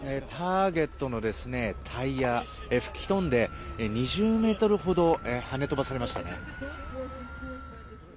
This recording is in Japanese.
ターゲットのタイヤが吹き飛んで２０ｍほどはね飛ばされましたね。